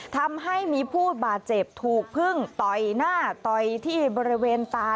ทำให้มีผู้บาดเจ็บถูกพึ่งต่อยหน้าต่อยที่บริเวณตา